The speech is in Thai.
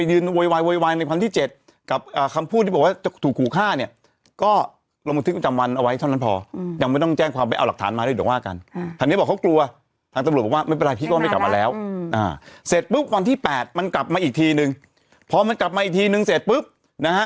อืมอ่าเสร็จปุ๊บวันที่แปดมันกลับมาอีกทีหนึ่งพอมันกลับมาอีกทีหนึ่งเสร็จปุ๊บนะฮะ